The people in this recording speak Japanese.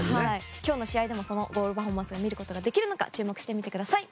今日の試合でもそのゴールパフォーマンスを見ることができるのか注目してみてください。